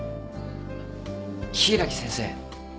柊木先生